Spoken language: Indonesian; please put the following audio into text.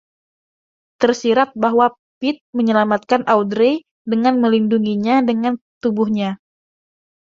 Tersirat bahwa Pete menyelamatkan Audrey dengan melindunginya dengan tubuhnya.